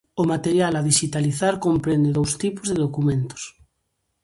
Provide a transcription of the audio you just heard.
O material a dixitalizar comprende dous tipos de documentos.